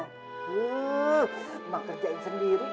nih mak kerjain sendiri kak